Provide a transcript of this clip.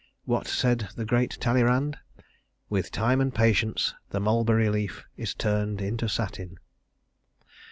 What said the great Talleyrand? WITH TIME AND PATIENCE, THE MULBERRY LEAF IS TURNED INTO SATIN.